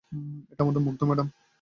ওটা আমাদের মুগ্ধা ম্যাডাম।